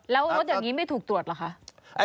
แล้วรถอย่างนี้ไม่ถูกตรวจเหรอคะ